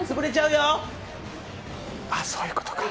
あっ、そういうことか。